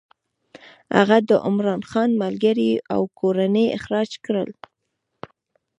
هغه د عمرا خان ملګري او کورنۍ اخراج کړل.